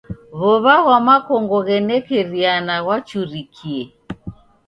W'ow'a ghwa makongo ghenekeriana ghwachurikie.